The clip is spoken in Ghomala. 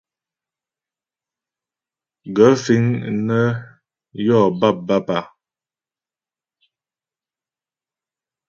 Gaə̂ fíŋ nə́ yó bâpbǎp a ?